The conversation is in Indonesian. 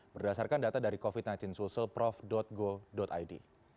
berdasarkan data dari covid sembilan belas sulselprof go id